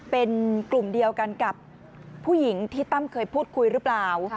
เป็นกลุ่มเดียวกันกับผู้หญิงที่ตั้มเคยพูดคุยหรือเปล่า